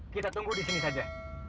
kita tunggu di sini saja